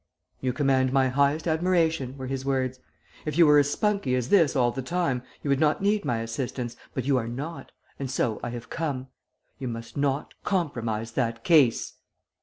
"'You command my highest admiration,' were his words. 'If you were as spunky as this all the time, you would not need my assistance, but you are not, and so I have come. _You must not compromise that case.